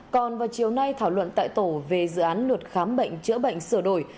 còn vào chiều nay thảo luận tại tổ về dự án luật khám bệnh chữa bệnh sửa đổi